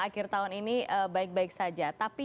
akhir tahun ini baik baik saja tapi